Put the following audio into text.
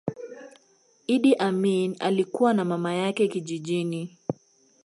Idi Amin alikua na mama yake kijijini